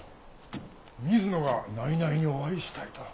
水野が内々にお会いしたいと。